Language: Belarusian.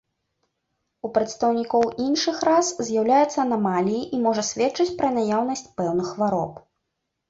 У прадстаўнікоў іншых рас з'яўляецца анамаліяй і можа сведчыць пра наяўнасць пэўных хвароб.